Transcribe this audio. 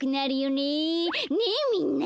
ねえみんな。